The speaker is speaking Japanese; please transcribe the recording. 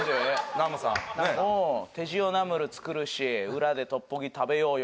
ナムさん手塩ナムル作るし裏でトッポギ食べようよ